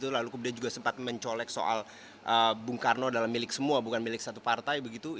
lalu kemudian juga sempat mencolek soal bung karno dalam milik semua bukan milik satu partai begitu